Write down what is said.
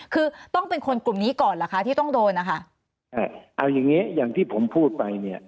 คือต้องเป็นคนกลุ่มนี้ก่อนเหรอคะที่ต้องโดนนะคะอ่าเอาอย่างงี้อย่างที่ผมพูดไปเนี่ย